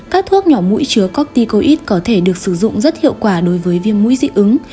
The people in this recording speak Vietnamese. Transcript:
các thuốc nhỏ mũi chứa corticoid có thể được sử dụng rất hiệu quả đối với viêm mũi dị ứng